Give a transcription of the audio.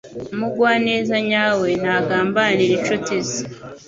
Umugwaneza nyawe ntagambanira inshuti ze